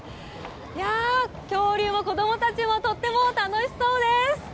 いやぁ、恐竜も子どもたちもとっても楽しそうです。